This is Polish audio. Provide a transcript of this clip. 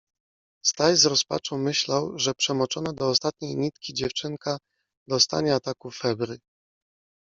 Staś z rozpaczą myślał, że przemoczona do ostatniej nitki dziewczynka dostanie ataku febry.